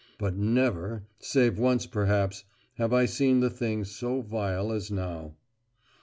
But never, save once perhaps, have I seen the thing so vile as now.